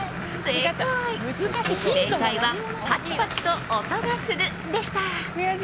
正解はパチパチと音がするでした。